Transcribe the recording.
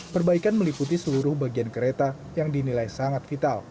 perbaikan meliputi seluruh bagian kereta yang dinilai sangat vital